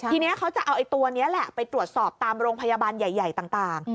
ทีนี้เขาจะเอาตัวนี้แหละไปตรวจสอบตามโรงพยาบาลใหญ่ต่าง